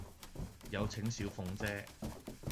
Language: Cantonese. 有請小鳳姐